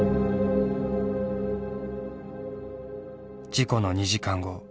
事故の２時間後。